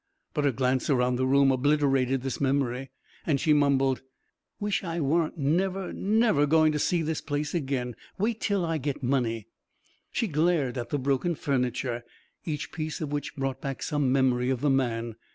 But a glance around the room obliterated this memory, and she mumbled, "Wish I warn't never, never going to see this place again! Wait till I get money...." She glared at the broken furniture, each piece of which brought back some memory of the man.